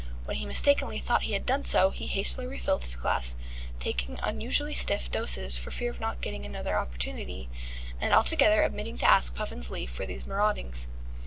When he mistakenly thought he had done so, he hastily refilled his glass, taking unusually stiff doses for fear of not getting another opportunity, and altogether omitting to ask Puffin's leave for these maraudings.